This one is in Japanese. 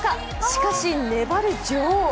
しかし粘る女王。